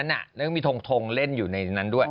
แล้วก็มีทงเล่นอยู่ในนั้นด้วย